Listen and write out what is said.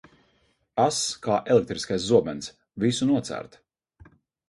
Ass kā elektriskais zobens, visu nocērt.